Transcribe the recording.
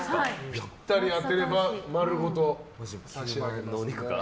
ぴったり当てれば丸ごと差し上げます。